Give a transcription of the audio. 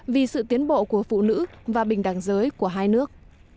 vì sự tiến bộ của phụ nữ và bình đẳng giới của hai nước